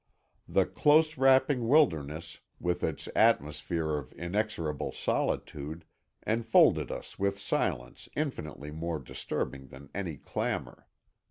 The close wrapping wilderness, with its atmosphere of inexorable solitude, enfolded us with silence infinitely more disturbing than any clamor.